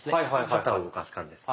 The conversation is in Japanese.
肩を動かす感じです。